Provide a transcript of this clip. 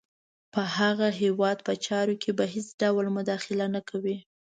په هغه هیواد په چارو کې به هېڅ ډول مداخله نه کوي.